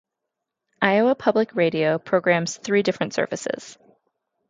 Iowa Public Radio programs three different services.